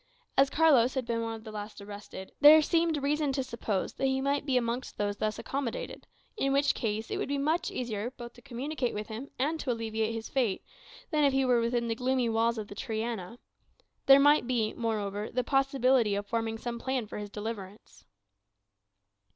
As Carlos had been one of the last arrested, there seemed reason to suppose that he might be amongst those thus accommodated; in which case it would be much easier both to communicate with him, and to alleviate his fate, than if he were within the gloomy walls of the Triana; there might be, moreover, the possibility of forming some plan for his deliverance.